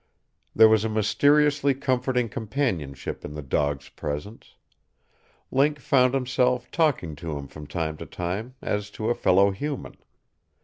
There was a mysteriously comforting companionship in the dog's presence. Link found himself talking to him from time to time as to a fellow human.